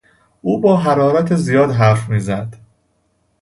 او با حرارت زیاد حرف میزد.